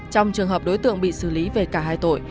trong trường hợp đối tượng bị xử lý về cả hai tội